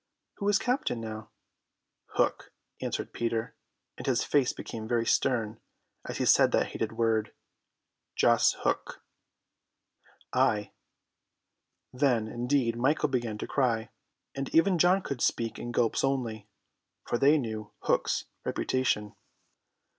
"Who is captain now?" "Hook," answered Peter, and his face became very stern as he said that hated word. "Jas. Hook?" "Ay." Then indeed Michael began to cry, and even John could speak in gulps only, for they knew Hook's reputation.